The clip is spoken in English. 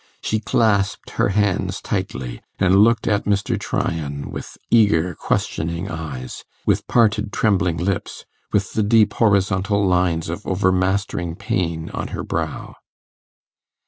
She clasped her hands tightly, and looked at Mr. Tryon with eager questioning eyes, with parted, trembling lips, with the deep horizontal lines of overmastering pain on her brow.